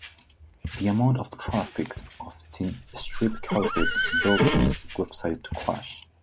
The amount of traffic to the new strip caused Bechdel's website to crash.